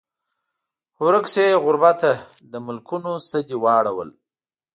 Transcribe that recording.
ورک شې ای غربته د ملکونو نه دې واړول